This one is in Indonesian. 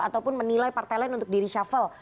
ataupun menilai partai lain untuk di reshuffle